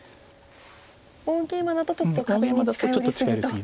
大ゲイマだとちょっと壁に近寄り過ぎと。